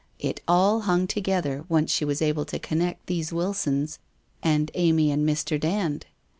It all hung together, once she was able to con nect these Wilsons and Amy and Mr. Dand.